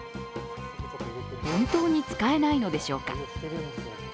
本当に使えないのでしょうか。